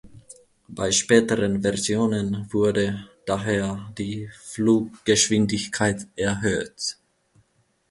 Bei späteren Versionen wurde daher die Fluggeschwindigkeit erhöht.